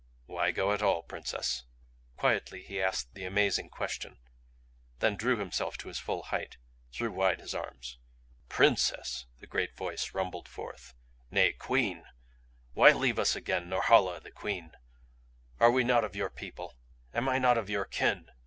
"Why go at all, Princess?" Quietly he asked the amazing question then drew himself to his full height, threw wide his arms. "Princess?" the great voice rumbled forth. "Nay Queen! Why leave us again Norhala the Queen? Are we not of your people? Am I not of your kin?